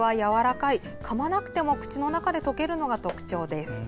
かまなくても口の中で溶けるのが特徴です。